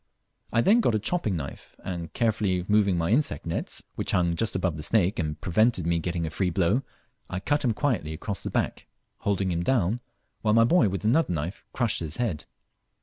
I them got a chopping knife, and carefully moving my insect nets, which hung just over the snake and prevented me getting a free blow, I cut him quietly across the back, holding him down while my boy with another knife crushed his head.